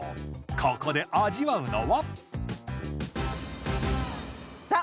ここで味わうのはさあ